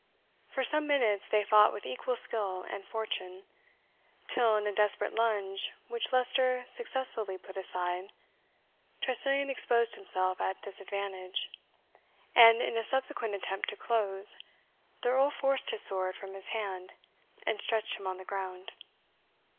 For some minutes they fought with equal skill and fortune, till, in a desperate lunge which Leicester successfully put aside, Tressilian exposed himself at disadvantage; and in a subsequent attempt to close, the Earl forced his sword from his hand, and stretched him on the ground.